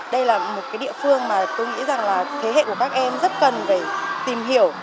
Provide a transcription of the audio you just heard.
đây là một cái địa phương mà tôi nghĩ rằng là thế hệ của các em rất cần phải tìm hiểu